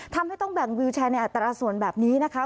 ทำให้ต้องแบ่งวิวแชร์ในอัตราส่วนแบบนี้นะคะ